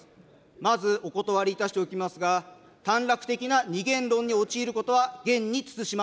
まずお断りいたしておきますが、短絡的な二元論に陥ることは厳に慎ま